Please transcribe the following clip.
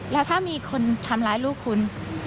แล้วถ้ามีคนทำร้ายลูกคุณ